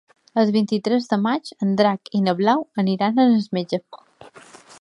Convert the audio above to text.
El vint-i-tres de maig en Drac i na Blau iran al metge.